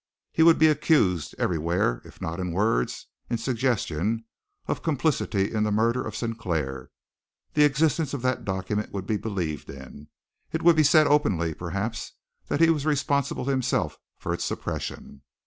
He would be accused everywhere if not in words, in suggestion of complicity in the murder of Sinclair. The existence of that document would be believed in. It would be said openly, perhaps, that he was responsible himself for its suppression.